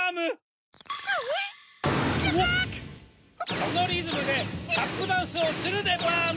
そのリズムでタップダンスをするでバーム。